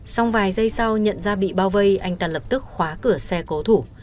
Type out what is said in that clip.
xong vài giây sau nhận ra bị bao vây anh ta lập tức khóa cửa xe cố thủ